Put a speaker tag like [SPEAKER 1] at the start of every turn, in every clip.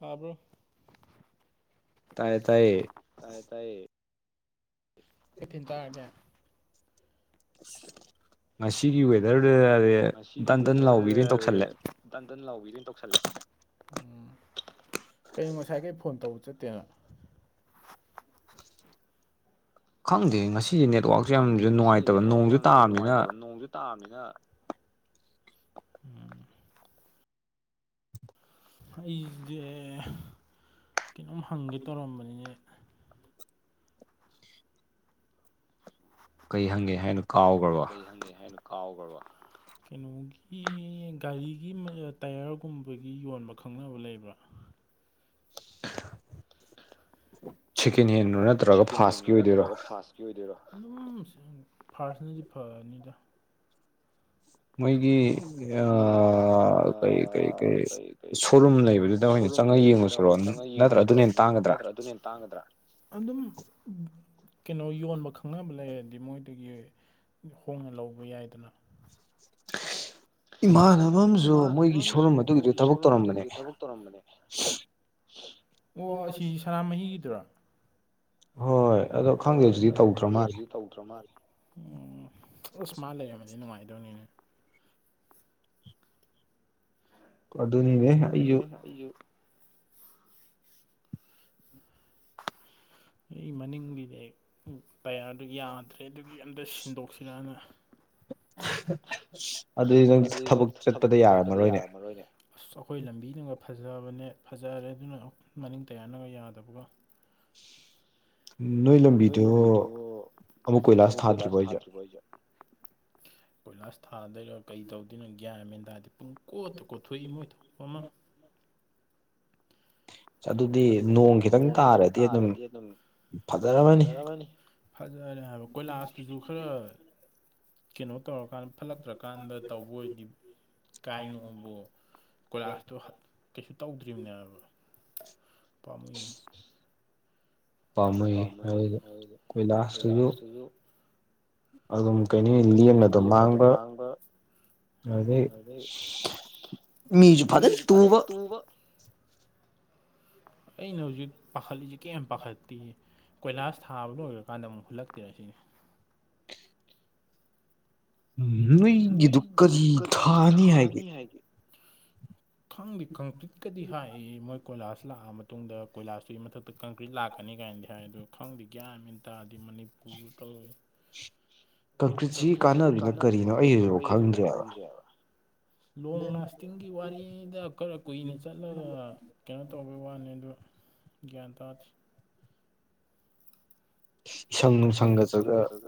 [SPEAKER 1] ꯍꯥꯥꯕ꯭ꯔꯣ
[SPEAKER 2] ꯇꯌꯦ ꯇꯥꯏꯌꯦ
[SPEAKER 1] ꯇꯥꯏꯌꯦ ꯇꯌꯦ ꯊꯤꯟ ꯇ
[SPEAKER 2] ꯉꯁꯤꯒꯤ ꯋꯦꯗꯔ
[SPEAKER 1] ꯉꯁꯤꯒꯤ ꯋꯦꯗꯔꯗ ꯍꯥꯏ ꯇꯟꯇꯟ ꯂꯥꯎꯈꯤꯗ ꯑꯣꯏꯅ ꯇꯧꯁꯜꯂꯦ ꯎꯝ ꯀꯔꯤꯨꯝ ꯉꯁꯥꯏꯈꯩ ꯐꯣꯟ ꯇꯧꯕ ꯆꯠꯇꯦꯅ
[SPEAKER 2] ꯈꯪꯗꯦ ꯉꯁꯤꯁꯦ ꯅꯦꯠꯋꯥꯛꯁꯨꯦ ꯌꯥꯝꯁꯨ ꯅꯨꯡꯉꯥꯏꯇꯕ ꯅꯣꯡꯁꯨ ꯇꯥꯕꯅꯤꯅ
[SPEAKER 1] ꯇꯥꯃꯤꯅ ꯎꯝ ꯑꯩꯁꯦ ꯀꯩꯅꯣꯝ ꯍꯪꯒꯦ ꯇꯧꯔꯝꯕꯅꯤꯅꯦ
[SPEAKER 2] ꯀꯩ ꯍꯪꯒꯦ ꯍꯥꯏꯅꯣ ꯀꯥꯎꯈ꯭ꯔꯕ
[SPEAKER 1] ꯈꯪꯒꯦ ꯍꯥꯏꯅ ꯀꯥꯎꯈ꯭ꯔꯕ ꯀꯩꯅꯣꯒꯤ ꯒꯥꯔꯤꯒꯤ ꯇꯥꯏꯌꯔꯒꯨꯝꯕꯒꯤ ꯌꯣꯟꯕ ꯈꯪꯅꯕ ꯂꯩꯕ꯭ꯔꯥ
[SPEAKER 2] ꯁꯦꯀꯦꯟ ꯍꯦꯟ꯭ꯔꯣ ꯅꯠꯇ꯭ꯔꯒ ꯐꯥꯁꯀꯤ ꯑꯣꯏꯗꯣꯏꯔꯣ
[SPEAKER 1] ꯔ ꯑꯗꯨꯝ ꯐꯥꯔꯁꯅꯗꯤ ꯐꯅꯤꯗ
[SPEAKER 2] ꯃꯣꯏꯒꯤ
[SPEAKER 1] ꯃꯣꯏꯒꯤ ꯀꯩ ꯀꯩ ꯀꯩ ꯁꯣꯔꯨꯝ ꯂꯩꯕꯗꯨꯗ [unintelligible] ꯆꯉ ꯌꯦꯡꯉꯨ ꯁꯨꯔꯛꯑꯅꯤ ꯅꯠꯇ꯭ꯔ ꯑꯗꯨꯅ ꯇꯥꯡꯒꯗ꯭ꯔꯥ ꯑꯗꯨꯝ ꯀꯩꯅꯣ ꯌꯣꯟꯕ ꯈꯪꯅꯕ ꯂꯩꯔꯗꯤ ꯃꯣꯏꯗꯒꯤ ꯍꯣꯡꯅ ꯂꯧꯕ ꯌꯥꯏꯗꯅ
[SPEAKER 2] [inaudible] ꯏꯃꯥꯟꯅꯕ ꯑꯃꯖꯨ ꯃꯣꯏꯒꯤ ꯁꯣꯔꯨꯝ ꯑꯗꯨꯒꯤꯗꯨ ꯊꯕꯛ ꯇꯧꯔꯝꯕꯅꯦ
[SPEAKER 1] ꯑꯣ ꯑꯁꯤ ꯁꯅꯥꯃꯍꯤꯒꯤꯗꯨꯔꯥ ꯍꯣꯏ ꯍꯣꯏ ꯑꯗꯣ ꯈꯪꯗꯦꯁꯤꯗꯤ ꯇꯧꯗ꯭ꯔ ꯃꯥꯜꯂꯤ ꯑꯁ ꯃꯥ ꯂꯩꯔꯝꯃꯗꯤ ꯅꯨꯡꯉꯥꯏꯗꯧꯅꯤꯅꯦ
[SPEAKER 2] ꯑꯗꯨ ꯑꯗꯨꯅꯤꯕꯦ ꯑꯣ
[SPEAKER 1] ꯨ ꯑꯩ ꯃꯅꯤꯡꯕꯤꯗꯤ ꯇꯌꯥꯔꯗꯨ ꯌꯥꯦ ꯠꯇ꯭ꯔꯦ ꯑꯗꯨꯒꯤ ꯑꯝꯇ ꯁꯤꯟꯗꯣꯛꯁꯤꯔꯅ ꯑꯗꯨꯗꯤ ꯅꯪ ꯊꯕꯛ ꯆꯠꯄꯗ ꯌꯥꯔꯝꯃꯔꯣꯏꯅꯦ ꯑꯁ ꯑꯩꯈꯣꯏ ꯂꯝꯕꯤꯗꯨꯒ ꯐꯖꯕꯅꯦ ꯐꯖꯔꯦ ꯑꯗꯨꯅ ꯃꯅꯤꯡ ꯇꯌꯥꯟꯅꯒ ꯌꯥꯗꯕꯒ ꯅꯣꯏ ꯂꯝꯕꯤꯗꯣ ꯑꯃꯨꯛ ꯀꯣꯏꯂꯥꯁ ꯊꯥꯗ꯭ꯔꯤꯕꯣ ꯑꯩꯁꯦ ꯀꯣꯏꯂꯥꯁ ꯊꯥꯗꯩꯔ ꯀꯩ ꯇꯧꯗꯅꯣ ꯒ꯭ꯌꯥꯟ ꯃꯦꯟꯗꯥꯗꯤ ꯄꯨꯡ ꯀꯣꯠꯇ ꯀꯣꯠꯊꯣꯛꯏ ꯃꯣꯏ ꯊꯣꯛꯄ ꯑꯃ ꯑꯗꯨꯗꯤ ꯅꯣꯡ ꯈꯤꯇꯪ ꯇꯥꯔꯗꯤ ꯑꯗꯨꯝ ꯐꯖꯔꯝꯃꯅꯤ ꯐꯖꯔꯦ ꯍꯥꯏꯕ ꯀꯣꯏꯂꯥꯁꯇꯨꯁꯨ ꯈꯔ ꯀꯩꯅꯣ ꯇꯧꯔꯀꯥꯟꯗ ꯐꯠꯂꯛꯇ꯭ꯔ ꯀꯥꯟꯗ ꯇꯧꯕ ꯑꯣꯏꯗꯤ ꯀꯥꯏꯅꯣꯕꯨ ꯀꯣꯏꯂꯥꯁꯇꯣ ꯀꯩꯁꯨ ꯇꯧꯗ꯭ꯔꯤꯕꯅꯦꯕ ꯄꯥꯝꯃꯨꯏꯌꯦ
[SPEAKER 2] ꯄꯥꯝꯃꯌꯦ ꯍꯥꯏꯗ ꯀꯣꯏꯂꯥꯁꯇꯨꯁꯨ
[SPEAKER 1] ꯑꯗꯨꯝ ꯀꯩꯅꯣ ꯂꯦꯝꯅ ꯑꯗꯨꯣ ꯃꯥꯡꯕ ꯃꯤꯁꯨ ꯄ ꯇꯨꯡ ꯑꯩꯅ ꯍꯧꯖꯤꯛ ꯄꯥꯈꯠꯂꯤꯁꯤꯦ ꯀꯌꯥꯝ ꯄꯥꯈꯠꯇꯤ ꯀꯣꯏꯂꯥꯁ ꯊꯥꯕ ꯂꯣꯏ ꯑꯣꯏꯔ ꯀꯥꯟꯗ ꯑꯃꯛ ꯍꯠꯂꯛꯇꯦ ꯁꯤꯅꯤ
[SPEAKER 2] ꯎ ꯅꯣꯏꯒꯤꯗꯨ ꯀꯔꯤ ꯊꯥꯅꯤ ꯍꯥꯏꯒꯦ
[SPEAKER 1] ꯈꯪꯗꯦ ꯀꯪꯀ꯭ꯔꯤꯠꯀꯗꯤ ꯍꯥꯏꯑ ꯃꯣꯏ ꯀꯣꯏꯂꯥꯁ ꯂꯥꯛꯑ ꯃꯇꯨꯡꯗ ꯀꯣꯏꯂꯥꯁꯇꯨꯒꯤ ꯃꯊꯛꯇ ꯀꯪꯀ꯭ꯔꯤꯠ ꯂꯥꯛꯀꯅꯤ ꯀꯥꯏꯅꯗꯤ ꯍꯥꯏ ꯑꯗꯨꯣ ꯈꯪꯗꯦ ꯀꯒꯌꯥꯃꯤꯟ ꯇꯥꯔꯗꯤ ꯎꯀꯂ ꯀꯪꯀ꯭ꯔꯤꯠꯁꯤꯒꯤ ꯀꯥꯟꯅꯕꯕꯤꯅ ꯀꯔꯤꯅꯣ ꯑꯩꯁꯤꯁꯨ ꯈꯪꯗ꯭ꯔꯦꯕ ꯂꯣꯡ ꯂꯥꯁꯇꯤꯡꯒꯤ ꯋꯥꯔꯤ ꯑꯩꯗ ꯈꯔ ꯀꯨꯏꯅ ꯆꯠꯂꯒ ꯀꯩꯅꯣ ꯇꯧꯕꯩ ꯋꯥꯅꯤ ꯑꯗꯨ ꯒ꯭ꯌꯥꯟ ꯇꯥꯗꯦ ꯁꯪ ꯁꯪꯒ ꯆꯠ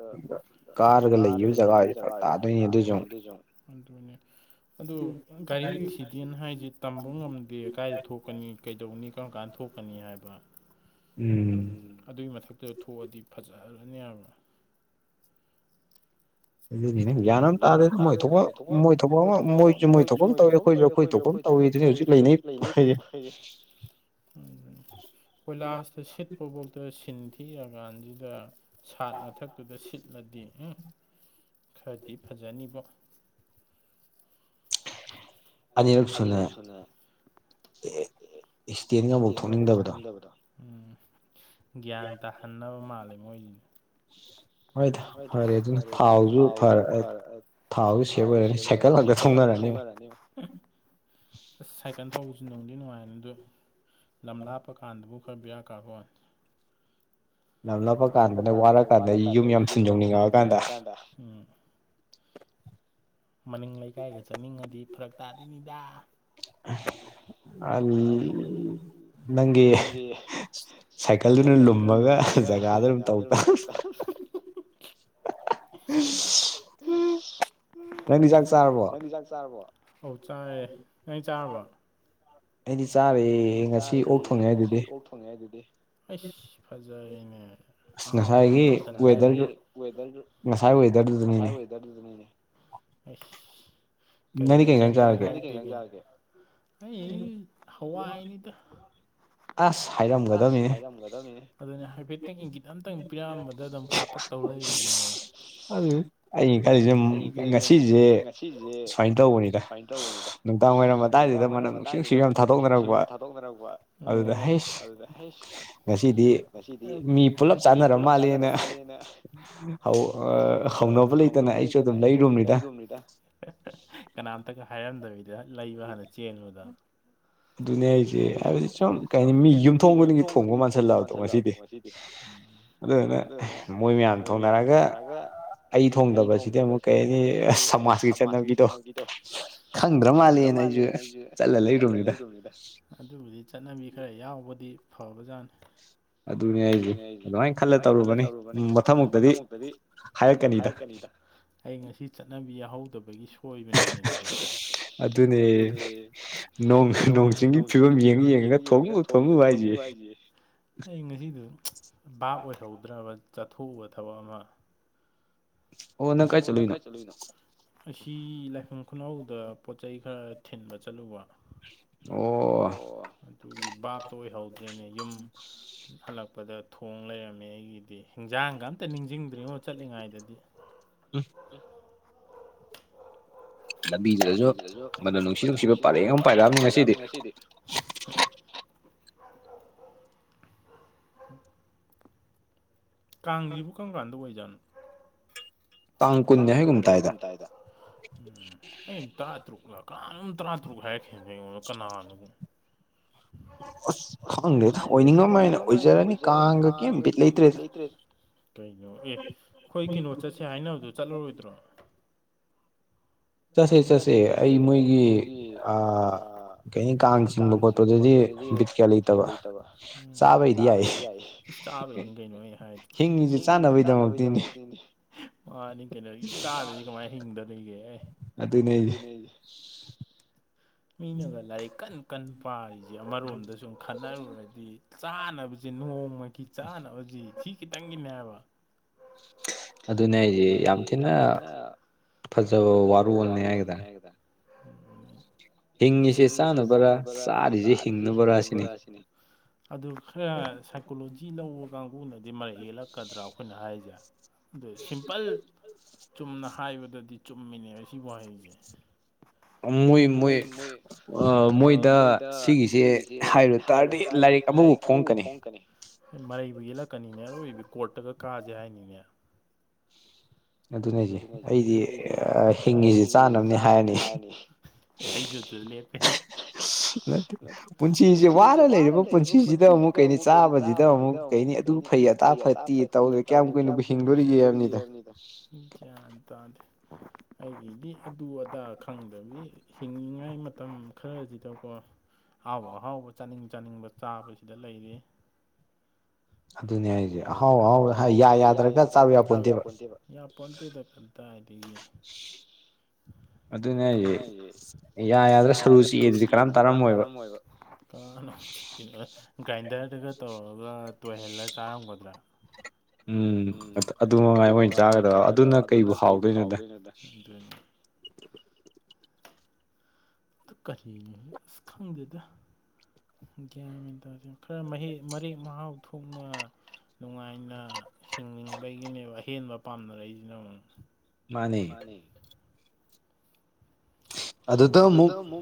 [SPEAKER 1] ꯀꯥꯔꯒ ꯂꯩꯈꯤꯕ ꯖꯒꯥꯁ ꯇꯥꯗꯣꯏꯅꯦ ꯑꯗꯨꯁꯨ ꯑꯗꯨꯅꯦ ꯑꯗꯨ ꯒꯥꯔꯤ ꯑꯦꯛꯁꯤꯗꯦꯟ ꯍꯥꯏꯁꯦ ꯇꯝꯕ ꯉꯝꯗꯦ ꯀꯥꯏꯗ ꯊꯣꯛꯀꯅꯤ ꯀꯩꯗꯧꯅꯤ ꯀꯔꯝ ꯀꯥꯟꯗ ꯊꯣꯛ ꯊꯣꯛꯀꯅꯤ ꯍꯥꯏꯕ ꯑꯗꯨꯏ ꯃꯊꯛꯇ ꯊꯣꯛꯑꯗꯤ ꯐꯖꯔꯅꯤ ꯍꯥꯏꯕ ꯑꯗꯨ ꯌꯥꯅ ꯑꯃ ꯇꯥꯗꯦꯅ ꯃꯣꯏꯄ ꯃꯣꯏ ꯊꯣꯛꯄ ꯑꯃ ꯃꯣꯏ ꯃꯣꯏ ꯊꯣꯛꯄ ꯇꯧꯋꯦ ꯑꯩꯈꯣꯏ ꯣꯛ ꯇꯧꯔꯤ ꯑꯗꯨꯅꯤ ꯍꯧꯖꯤꯛ ꯂꯩꯅꯩꯌꯦꯦ ꯀꯣꯏꯂꯥꯁꯇ ꯁꯤꯠ ꯐꯨꯨꯕꯇ ꯁꯤꯟ ꯊꯤꯑꯀꯥꯟꯁꯤꯗ ꯁꯥꯠ ꯃꯊꯛꯇꯨꯗ ꯁꯤꯠꯂꯗꯤ ꯎ ꯈꯔꯗꯤ ꯐꯖꯅꯤꯕꯣ ꯑꯅꯤꯔꯛ ꯁꯨꯅ ꯑꯦꯛꯁꯤꯗꯦꯟꯒꯐꯥꯎ ꯊꯣꯛꯅꯤꯡꯗꯕꯗꯣ ꯒ꯭ꯌꯥꯟ ꯇꯥꯍꯟꯅꯕ ꯃꯥꯜꯂꯦ ꯃꯣꯏꯒꯤꯖꯦ ꯍꯣꯏ ꯐꯔꯦ ꯑꯗꯨ ꯊꯥꯎꯁꯨ ꯐꯔꯦ ꯊꯥꯎꯒꯤ ꯁꯦꯕ ꯑꯣꯏꯔꯅꯤ ꯁꯥꯏꯀꯜ ꯉꯥꯛꯇ ꯊꯧꯅꯔꯅꯤ ꯑꯁ ꯁꯥꯏꯀꯜ ꯊꯧꯕꯁꯨ ꯅꯨꯡꯗꯤ ꯉꯥꯏꯔꯅꯤ ꯑꯗꯨꯗꯣ ꯂꯝ ꯂꯥꯞꯄ ꯀꯥꯟꯗꯕꯨ ꯈꯔ ꯕꯤꯌꯥꯔ ꯀꯥꯔꯣꯏ ꯅꯝꯅꯕ ꯀꯥꯟꯗꯅ ꯋꯥꯔ ꯀꯥꯟꯗ ꯑꯩ ꯌꯨꯝ ꯌꯥꯝ ꯁꯟ ꯌꯧꯅꯤꯡꯉꯛꯑꯀꯥꯟꯗ ꯃꯅꯤꯡ ꯂꯩꯀꯥꯏꯒ ꯆꯠꯅꯤꯡꯉꯗꯤ ꯐꯔꯛ ꯇꯥꯗꯣꯏꯅꯤꯗ ꯑ ꯅꯪꯒꯤ ꯁꯥꯏꯀꯜꯗꯨꯅ ꯂꯨꯝꯃꯒ ꯖꯒꯥꯗ ꯑꯗꯨꯝ ꯇꯧꯇꯥꯕ ꯅꯪ ꯆꯥꯛ ꯆꯥꯔꯕꯣ ꯑꯥꯎ ꯆꯥꯔꯦ ꯅꯪ ꯆꯥꯔꯕꯣ ꯑꯩꯗꯤ ꯆꯥꯔꯦ ꯉꯁꯤ ꯑꯣꯛ ꯊꯣꯡꯉꯦ ꯍꯥꯏ ꯑꯗꯨꯗꯤ ꯑꯩꯁ ꯐꯖꯔꯦꯅꯦ ꯑꯍꯥꯎꯕ ꯑꯃ ꯇꯧꯁꯜꯂꯦ
[SPEAKER 2] ꯉꯁꯥꯏ ꯋꯦꯗꯔꯗꯨꯗꯅꯤꯅꯦ
[SPEAKER 1] ꯑꯁ ꯀꯩꯅꯣ ꯀꯩꯃ ꯇꯒ ꯍꯥꯏ ꯑꯩ ꯍꯋꯥꯏ ꯅꯤꯗ ꯑꯁ ꯍꯥꯏꯔꯝꯒꯗꯕꯅꯤꯅꯦ ꯑꯗꯨꯅꯦ ꯍꯥꯏꯐꯦꯠꯇꯪ ꯏꯪꯒꯤꯠ ꯑꯝꯇꯪ ꯄꯤꯔꯛꯑꯝꯕꯗ ꯑꯗꯨꯝ ꯀꯥꯞꯄꯛ ꯇꯧ ꯂꯩ ꯌꯥ ꯑꯗꯨ ꯑꯩꯅ ꯈꯜꯂꯤꯁꯦ ꯉꯁꯤꯁꯦ ꯀꯃꯥꯏꯅ ꯇꯧꯕꯅꯤꯗ ꯅꯨꯡꯗꯥꯡ ꯋꯥꯏꯔꯝ ꯃꯇꯥꯡꯁꯤꯗ ꯃꯅꯝ ꯅꯨꯡꯁꯤꯁꯤꯕ ꯌꯥꯝ ꯊꯥꯗꯣꯛꯅꯔꯛꯄ
[SPEAKER 2] ꯑꯗꯨꯗ ꯍꯦꯁ
[SPEAKER 1] ꯑꯗꯨꯗ ꯍꯦꯁ ꯉꯁꯤꯗꯤ ꯃꯤ ꯄꯨꯂꯞ ꯆꯥꯟꯅꯔꯕ ꯃꯥꯜꯂꯦꯅ ꯍꯧꯅꯕ ꯂꯩꯇꯅ ꯑꯩꯁꯨ ꯑꯗꯨꯝ ꯂꯩꯔꯨꯃꯤꯗ ꯀꯅꯥꯝꯇꯒ ꯍꯥꯏꯔꯝꯗꯕꯤꯗ ꯂꯩꯕ ꯍꯥꯟꯅ ꯆꯦꯟꯕꯗ ꯑꯗꯨꯅꯦ ꯍꯥꯏꯖꯦ ꯑꯗ ꯁꯨꯝ ꯀꯩꯅꯤ ꯃꯤ ꯌꯨꯝꯊꯣꯡ ꯈꯨꯗꯤꯡꯒꯤ ꯊꯣꯡꯕ ꯃꯥꯟꯁꯜꯂꯛꯑꯕꯗꯣ ꯉꯁꯤꯗꯤ ꯑꯗꯨꯅ ꯃꯣꯏ ꯃꯌꯥꯝ ꯊꯣꯡꯅꯔꯒ ꯑꯩ ꯊꯣꯡꯗꯕꯁꯤꯗꯤ ꯑꯃꯨꯛ ꯀꯩ ꯍꯥꯏꯅꯤ ꯁꯃꯥꯖꯀꯤ ꯆꯠꯅꯕꯤꯗꯧ ꯈꯪꯗ꯭ꯔ ꯃꯥꯂꯅ ꯑꯩꯁꯨ ꯆꯠꯂ ꯂꯩꯔ ꯑꯗꯨꯕꯨꯗꯤ ꯆꯠꯅꯕꯤ ꯈꯔ ꯌꯥꯎꯕꯗꯤ ꯐꯕꯖꯥꯠꯅꯤ
[SPEAKER 2] ꯑꯗꯨꯅꯦ ꯑꯩꯁꯦ ꯑꯗꯨꯃꯥꯏꯅ ꯈꯜꯂ ꯇꯧꯔꯨꯕꯅꯤ ꯃꯊꯪ ꯃꯨꯛꯇꯗꯤ ꯍꯥꯏꯔꯛꯀꯅꯤꯗ
[SPEAKER 1] ꯑꯩ ꯉꯁꯤ ꯆꯠꯅꯕꯤ ꯌꯥꯎꯍꯧꯗꯕꯒꯤꯁꯨ ꯁꯣꯏꯕꯅꯤꯅꯦ ꯑꯗꯨꯅꯦ ꯆꯤꯡꯒꯤ ꯐꯤꯕꯝ ꯌꯦꯡ ꯌꯦꯡꯉꯒ ꯊꯧꯕꯤꯕ ꯍꯥꯏꯁꯦ ꯑꯩ ꯉꯁꯤꯗꯨ ꯚꯥꯞ ꯑꯣꯏꯍꯧꯗ꯭ꯔꯕ ꯆꯠꯊꯣꯛꯎꯕ ꯊꯕꯛ ꯑꯃ ꯑꯣ ꯅꯪ ꯀꯥꯏ ꯆꯠꯂꯨꯏꯅꯣ ꯑꯁꯤ ꯂꯥꯏꯐꯝ ꯈꯨꯅꯥꯎꯗ ꯄꯣꯠꯆꯩ ꯈꯔ ꯊꯤꯟꯕ ꯆꯠꯂꯨꯕ
[SPEAKER 2] ꯑꯣ
[SPEAKER 1] ꯑꯣ ꯑꯗꯨꯒꯤ ꯕꯥꯕꯇꯣ ꯑꯣꯏꯍꯧꯗ꯭ꯔꯦꯅꯦ ꯌꯨꯝ ꯍꯠꯂꯛꯄꯗ ꯊꯣꯡ ꯂꯩꯔꯝꯃꯦ ꯑꯩꯒꯤꯗꯤ ꯍꯤꯟꯖꯥꯡꯒ ꯑꯝꯇ ꯅꯤꯡꯁꯤꯡꯗ꯭ꯔꯤꯉꯣ ꯆꯠꯂꯤꯉꯥꯏꯗꯗꯤ
[SPEAKER 2] ꯎꯝ ꯂꯝꯕꯤꯁꯤꯗꯁꯨ ꯃꯅ ꯅꯨꯡꯁꯤ ꯅꯨꯡꯁꯤꯕ ꯄꯥꯔꯦꯡ ꯑꯃ ꯄꯥꯏꯔꯛꯑꯅꯤ ꯉꯁꯤꯗꯤ
[SPEAKER 1] ꯀꯥꯡꯁꯤꯕꯨ ꯀꯔꯝ ꯀꯥꯟꯗ ꯑꯣꯏꯖꯥꯠꯅꯣ ꯇꯥꯡ ꯀꯨꯟꯅꯤ ꯍꯥꯏꯒꯨꯝ ꯇꯥꯏꯗ ꯎꯝ ꯑꯩ ꯇꯔꯥ ꯇꯔꯨꯛ ꯀꯅꯥꯅꯣꯝ ꯇꯔꯥ ꯇꯔꯨꯛ ꯍꯥꯏꯔꯛꯀꯦꯅꯣ ꯑꯩꯉꯣꯟꯗ ꯀꯅꯥꯅꯣꯒꯨꯝ ꯍ ꯑꯁ ꯈꯪꯗꯦꯗ ꯑꯣꯏꯅꯤꯡꯉꯝꯃꯥꯏꯅ ꯑꯣꯏꯖꯔꯅꯤ ꯀꯥꯡꯒ ꯀꯔꯤꯝꯕꯤꯠ ꯂꯩꯇ꯭ꯔꯦꯗ ꯀꯩꯅꯣ ꯑꯦ ꯑꯩꯈꯣꯏ ꯀꯩꯅꯣ ꯆꯠꯁꯦ ꯍꯥꯏꯅꯕꯗꯣ ꯆꯠꯂꯔꯣꯏꯗ꯭ꯔꯣ ꯆꯠꯁꯦ ꯆꯠꯁꯦ ꯑꯩ ꯃꯣꯏꯒꯤ ꯀꯩꯅꯣ ꯀꯥꯡ ꯆꯤꯡꯕ ꯈꯣꯠꯄꯗꯗꯤ ꯕꯤꯠ ꯀꯌꯥ ꯂꯩꯇꯕ ꯎꯝ ꯆꯥꯕꯩꯗꯤ ꯌꯥꯏꯌꯦ ꯆꯥꯕꯩꯩꯅ ꯀꯩꯅꯣ ꯍꯥꯏꯗꯤꯦ ꯍꯤꯡꯉꯤꯁꯤ ꯆꯥꯅꯕꯩꯗꯃꯛꯇꯤꯅꯦ ꯃꯥꯅꯤ ꯀꯩꯅꯣꯗꯒꯤ ꯆꯥꯗꯗꯤ ꯀꯃꯥꯏꯅ ꯍꯤꯡꯗꯔꯤꯒꯦ ꯑꯦ
[SPEAKER 2] ꯑꯗꯨꯅꯦ ꯍꯥꯏꯁꯦ
[SPEAKER 1] ꯃꯤꯅꯒ ꯂꯥꯏꯔꯤꯛ ꯀꯟ ꯀꯟ ꯄꯥꯔꯤꯁꯦ ꯑꯃꯔꯣꯝꯗ ꯁꯨꯝ ꯈꯟꯅꯔꯨꯔꯗꯤ ꯆꯥꯅꯕꯁꯀ ꯅꯣꯡꯃꯒꯤ ꯆꯥꯅꯕꯁꯤ ꯁꯤ ꯈꯤꯇꯪꯒꯤꯟꯅꯔꯕ ꯑꯗꯨꯅꯦ ꯍꯥꯏꯁꯦ ꯌꯥꯝ ꯊꯤꯅ ꯐꯖꯕ ꯋꯥꯔꯨꯜꯅꯦ ꯍꯥꯏꯒꯗ ꯎꯝ ꯍꯤꯡꯉꯁꯤꯦ ꯆꯥꯅꯕ꯭ꯔꯥ ꯆꯥꯔꯤꯁꯦ ꯍꯤꯡꯅꯕ꯭ꯔꯥ ꯁꯤꯅꯤ ꯑꯗꯨ ꯈꯔ ꯁꯥꯏꯀꯣꯂꯣꯖꯤ ꯂꯧꯕ ꯀꯥꯡꯒꯕꯨꯅꯗꯤ ꯃꯔꯩ ꯌꯦꯦꯜꯂꯛꯀꯗ꯭ꯔꯥ ꯑꯩꯈꯣꯏꯅ ꯍꯥꯏꯔꯤꯁꯦ ꯑꯗ ꯁꯤꯝꯄꯜ ꯆꯨꯝꯅ ꯍꯥꯏꯕꯗꯗꯤ ꯆꯨꯝꯃꯤꯅꯦꯕ ꯁꯤ ꯋꯥꯍꯩꯁꯦ
[SPEAKER 2] ꯃꯨꯣꯏ ꯃꯣꯏ
[SPEAKER 1] ꯃꯣꯏ ꯃꯣꯏꯗ ꯁꯤꯒꯤꯁꯦ ꯍꯥꯏꯔꯨ ꯇꯥꯔꯗꯤ ꯂꯥꯏꯔꯤꯛ ꯑꯃꯕꯨ ꯐꯣꯡꯉꯛꯀꯅꯤ ꯃꯔꯩꯕꯨ ꯌꯦꯛꯂꯛꯀꯅꯤꯅꯦ ꯑꯔꯣꯏꯕꯤ ꯀꯣꯔꯠꯇꯒ ꯀꯥꯁꯦ ꯍꯥꯏꯅꯤꯡꯉ ꯑꯗꯨꯅꯁ ꯑꯩꯗꯤ ꯍꯤꯡꯉꯤꯁꯤ ꯆꯥꯅꯕꯅꯤ ꯍꯥꯏꯔꯅꯤ ꯑꯩꯁꯨ ꯆ ꯂꯦꯦ ꯅꯠꯇ ꯄꯨꯟꯁꯤꯁꯦ ꯋꯥꯅ ꯂꯩꯔꯤꯕ ꯄꯨꯟꯁꯤꯁꯤꯗ ꯑꯃꯨꯛ ꯀꯩꯅꯤ ꯆꯥꯕꯁꯤꯗ ꯑꯃꯨꯛ ꯀꯩꯅꯤ ꯑꯗꯨ ꯐꯩ ꯑꯇꯥ ꯐꯠꯇꯦ ꯇꯧꯗꯦ ꯀꯌꯥꯝ ꯀꯨꯅꯕꯨ ꯍꯤꯡꯗꯣꯔꯤꯒꯦ ꯍꯥꯏꯕꯅꯤꯗ ꯒ꯭ꯌꯥꯟ ꯇꯥꯗꯦ ꯑꯩꯒꯤꯗꯤ ꯑꯗꯨ ꯑꯗꯥ ꯈꯪꯗꯕꯤ ꯍꯤꯡꯅꯤꯉꯥꯏ ꯃꯇꯝ ꯈꯔꯁꯤꯗꯀꯣ ꯑꯍꯥꯎ ꯑꯍꯥꯎꯕ ꯆꯥꯅꯤꯡ ꯆꯥꯅꯤꯡꯕ ꯆꯥꯕꯁꯤꯗ ꯂꯩꯔꯤ ꯑꯗꯨꯅꯦ ꯍꯥꯏꯁꯦ ꯑꯍꯥꯎꯍꯥꯎꯣꯏ ꯌꯥ ꯌꯥꯗ꯭ꯔꯒ ꯆꯥ ꯌꯥꯄꯟꯗꯤꯦꯕ ꯌꯥ ꯄꯣꯟꯇꯦꯗ ꯀꯟ ꯇꯗꯒꯤ ꯑꯗꯨꯅꯦ ꯑꯩꯁꯦ ꯌꯥ ꯌꯥꯗ꯭ꯔꯥ ꯁꯔꯨ ꯆꯤꯛꯦ ꯑꯗꯨꯗꯤ ꯀꯔꯝ ꯇꯥꯔꯝꯃꯣꯏꯕ ꯀ ꯒ꯭ꯔꯥꯏꯟꯗꯔꯗꯨꯒ ꯇꯧꯔꯒ ꯇꯣꯏꯍꯜꯂ ꯆꯥꯔꯝꯒꯗ꯭ꯔꯥ ꯎꯝ ꯑꯗꯨ ꯃꯉꯥꯏ ꯑꯣꯏꯅ ꯆꯥꯒꯗꯕ ꯑꯗꯨꯅ ꯀꯩꯕꯨ ꯍꯥꯎꯗꯣꯏꯅꯣ [inaudible] ꯑꯗꯨ ꯀꯔꯤ ꯑꯁ ꯈꯪꯗꯦꯗ ꯒ꯭ꯌꯥꯟ ꯇꯔꯦ ꯈꯔ ꯃꯍ ꯃꯔꯦꯛ ꯃꯍꯥꯎ ꯊꯣꯛꯅ ꯅꯨꯡꯉꯥꯏꯅ ꯍꯤꯡꯅꯤꯡꯕꯒꯤꯅꯦꯕ ꯑꯍꯦꯟꯕ ꯄꯥꯝꯅꯔꯛꯏꯁꯤꯅ ꯑꯃꯨꯛ ꯃꯥꯅꯤ ꯑꯗꯨꯗ ꯃꯨ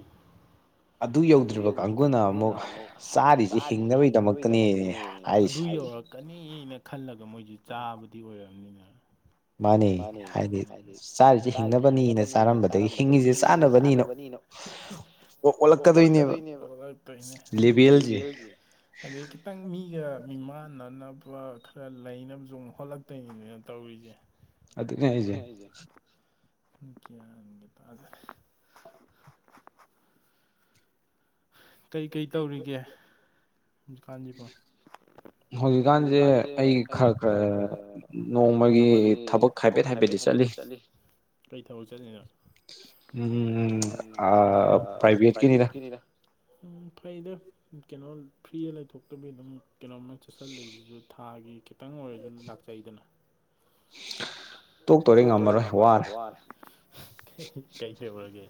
[SPEAKER 1] ꯑꯗꯨ ꯌꯧꯗ꯭ꯔꯤꯕ ꯀꯥꯡꯕꯨꯅ ꯑꯃꯨꯛ ꯆꯥꯔꯤꯁꯤꯦ ꯍꯤꯡꯅꯕꯒꯤꯗꯃꯛꯇꯅꯦ ꯂꯛꯀꯅꯤꯅ ꯈꯜꯂꯒ ꯃꯣꯏꯁ ꯆꯥꯕꯗꯤ ꯑꯣꯏꯔꯕꯔꯕꯅꯤꯅ ꯃꯥꯅꯤ ꯍꯥꯏꯗꯤ ꯆꯥꯔꯤꯁꯦ ꯍꯤꯡꯅꯕꯅꯤꯅ ꯆꯥꯔꯝꯕꯗꯒꯤ ꯆꯤꯡꯉꯁꯦ ꯆꯥꯟꯅꯕꯅꯤꯅꯣ ꯑꯣ ꯑꯣꯂꯀꯗꯅꯦ ꯂꯕꯤꯜ ꯑꯗꯩ ꯈꯤꯇꯪ ꯃꯤꯒ ꯃꯤꯃꯥꯟꯅꯅꯕ ꯈꯔ ꯂꯩꯅꯕꯁꯨ ꯍꯣꯠꯂꯛꯇꯣꯏꯅꯤꯅꯤꯅ ꯇꯧꯔꯤꯁꯦ ꯑꯗꯨ ꯀꯖꯦ ꯀꯩꯀꯩ ꯇꯧꯔꯤꯒꯦ ꯍꯧ ꯖꯤꯀꯥꯟꯁꯤꯐꯣ ꯍꯧꯖꯤꯛꯀꯥꯟꯁꯦ ꯑꯩ ꯈꯔ ꯈꯔ ꯅꯣꯡꯃꯒꯤ ꯊꯕꯛ ꯍꯥꯏꯐꯦꯠ ꯍꯥꯏꯐꯦꯠꯗꯤ ꯆꯠꯂꯤ ꯑꯩ ꯊꯥꯎꯖꯟꯅꯤꯅ ꯄ꯭ꯔꯥꯏꯚꯦꯠꯀꯤꯅꯤꯅ ꯎꯝ ꯐꯩꯗ ꯀꯩꯅꯣ ꯐ꯭ꯔꯤꯗ ꯂꯩꯊꯣꯛꯇꯕꯤ ꯑꯗꯨꯝ ꯀꯩꯅꯣꯝꯃ ꯆꯠꯁꯤꯜꯂꯤꯁꯤꯁꯨ ꯊꯥꯒꯤ ꯈꯤꯇꯪ ꯑꯣꯏꯔꯁꯨ ꯂꯥꯛꯆꯩꯗꯅ ꯇꯣꯛꯇꯣꯔꯦ ꯉꯝꯃꯔꯣꯏ ꯋꯥꯔꯦ ꯀꯩ ꯀꯩ ꯑꯣꯏꯔꯒꯦ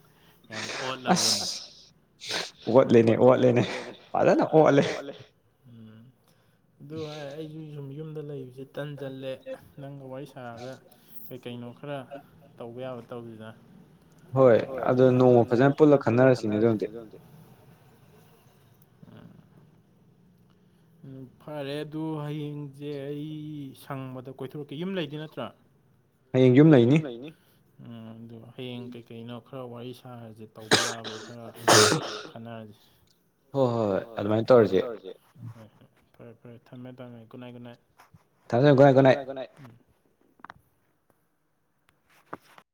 [SPEAKER 1] ꯌꯥꯝ ꯑꯣꯟꯅ ꯑꯣ ꯑꯣꯟꯅ ꯑꯣꯠꯂꯅꯦ ꯑꯣꯠꯂꯅꯦ ꯑꯥꯗꯅ ꯑꯣꯠꯂꯦ ꯎꯝ ꯑꯗꯨ ꯍꯥꯏꯔ ꯑꯩꯁꯨ ꯁꯨꯝ ꯌꯨꯝꯗ ꯂꯩꯕꯁꯦ ꯇꯟ ꯆꯜꯂꯦ ꯅꯪꯒ ꯋꯥꯔꯤ ꯁ ꯑꯒ ꯀꯩ ꯀꯩꯅꯣ ꯈꯔ ꯇꯧꯕ ꯌꯥꯕ ꯇꯧꯁꯤꯗ ꯍꯣꯏ ꯑꯗꯨ ꯅꯣꯡꯃ ꯐꯖꯅ ꯄꯨꯜꯂ ꯈꯟꯅꯔꯁꯤꯅꯦ ꯑꯗꯨꯣꯝꯗꯤ ꯎ ꯐꯔꯦ ꯑꯗꯨ ꯍꯌꯦꯡꯁꯦ ꯑꯩ ꯁꯪꯕꯗ ꯀꯣꯏꯊꯣꯔꯛꯀꯦ ꯌꯨꯝ ꯂꯩꯗꯤ ꯅꯠꯇ꯭ꯔꯥ ꯍꯌꯦꯡ ꯌꯨꯝ ꯂꯩꯅꯤ ꯎꯝ ꯑꯗꯨ ꯍꯌꯦꯡ ꯀꯩꯀꯩꯅꯣ ꯈꯔ ꯋꯥꯔꯤ ꯁꯥꯔꯁꯤ ꯇꯧꯕ ꯌꯥꯕ꯭ꯔꯣ ꯈꯔ ꯈꯟꯅꯔꯁꯤ ꯍꯣꯏ ꯍꯣꯏ ꯍꯣꯏ ꯑꯗꯨꯃꯥꯏꯅ ꯇꯧꯔꯁꯦ ꯍꯣꯏ ꯍꯣꯏ ꯐꯔꯦ ꯐꯔꯦ ꯊꯝꯃꯦ ꯊꯝꯃꯦ ꯨꯅꯥꯥꯏ ꯨꯅꯥꯏ ꯊꯝꯖ ꯥꯏꯨ ꯎꯝ [inaudible]